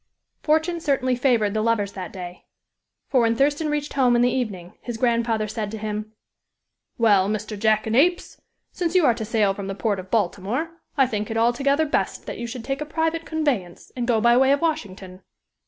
Fortune certainly favored the lovers that day; for when Thurston reached home in the evening, his grandfather said to him: "Well, Mr. Jackanapes, since you are to sail from the port of Baltimore, I think it altogether best that you should take a private conveyance, and go by way of Washington."